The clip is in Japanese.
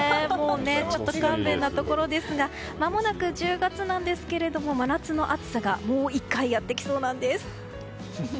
本当、かんべんなところですがまもなく１０月なんですが真夏の暑さが、もう１回やってきそうなんです。